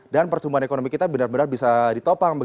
dan pertumbuhan ekonomi kita benar benar bisa ditopang